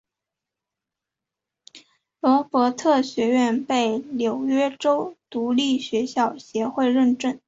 罗伯特学院被纽约州独立学校协会认证。